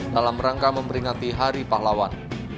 dalam rangka memperingati hari pahlawan